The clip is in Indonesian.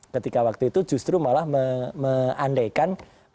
ketika waktu itu justru malah mengandaikan